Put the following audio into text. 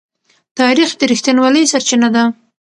تاریخ د رښتینولۍ سرچینه ده.